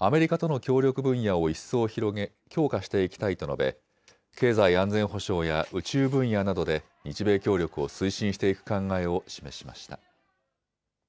アメリカとの協力分野を一層広げ強化していきたいと述べ経済安全保障や宇宙分野などで日米協力を推進していく考えを示しました。